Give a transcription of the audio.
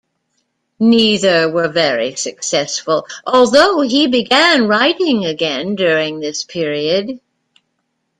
Neither were very successful, although he began writing again during this period.